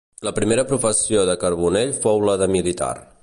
La primera professió de Carbonell fou la de militar.